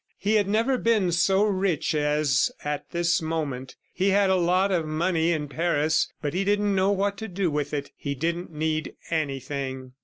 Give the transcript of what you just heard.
He had never been so rich as at this moment; he had a lot of money in Paris and he didn't know what to do with it he didn't need anything.